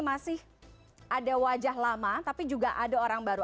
masih ada wajah lama tapi juga ada orang baru